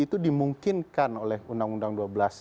itu dimungkinkan oleh undang undang